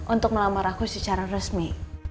untuk melamar aku secara resmi